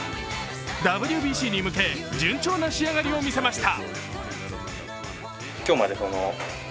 ＷＢＣに向け、順調な仕上がりを見せました。